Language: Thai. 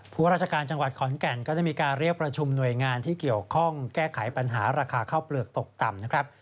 ผู้ราชการจังหวัดขอนแก่นก็ได้มีการเรียกประชุมหน่วยงานที่เกี่ยวข้องแก้ไขปัญหาราคาข้าวเปลือกตกต่ำนะครับ